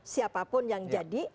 siapapun yang jadi